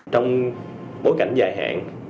trong bối cảnh dài hạn